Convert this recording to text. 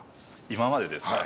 今までですか？